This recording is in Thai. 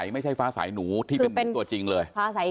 ไม่ใช่ฟ้าสายหนูที่เป็นตัวจริงเลย